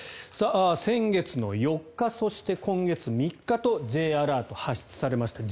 先月の４日そして今月３日とＪアラート、発出されました。